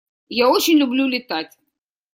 Я очень люблю летать.